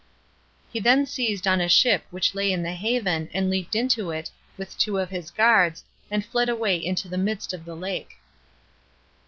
He then seized on a ship which lay in the haven, and leaped into it, with two of his guards, and fled away into the midst of the lake.